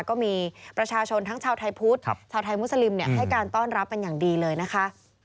ก็มีประชาชนทั้งชาวไทยพุทธชาวไทยมุสลิมให้การต้อนรับเป็นอย่างดีเลยนะคะ